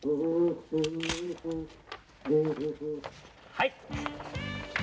はい。